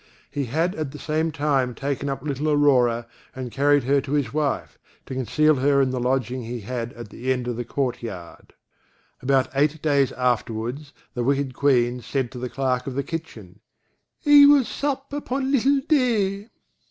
He had at the same time taken up little Aurora, and carried her to his wife, to conceal her in the lodging he had at the end of the court yard. About eight days afterwards, the wicked Queen said to the clerk of the kitchen: "I will sup upon little Day."